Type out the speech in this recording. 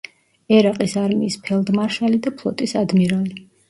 ერაყის არმიის ფელდმარშალი და ფლოტის ადმირალი.